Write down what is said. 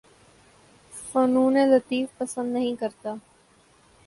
فنون لطیفہ پسند نہیں کرتا